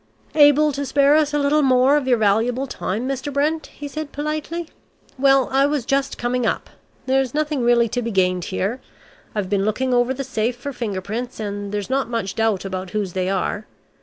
"Able to spare us a little more of your valuable time, Mr. Brent?" he said politely. "Well, I was just coming up. There's nothing really to be gained here. I have been looking over the safe for finger prints, and there's not much doubt about whose they are.